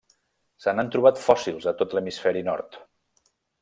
Se n'han trobat fòssils a tot l'hemisferi nord.